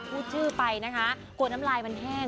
กลัวน้ำลายมันแห้ง